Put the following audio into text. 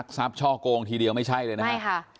คุณนับช่อโกงทีเดียวไม่ใช่เลยนะ